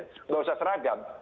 enggak usah seragam